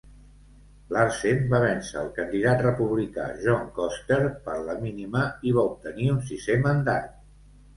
Larsen va vèncer el candidat republicà John Koster per la mínima, i va obtenir un sisè mandat.